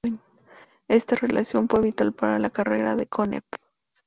Esta relación fue vital para la carrera de Kónev.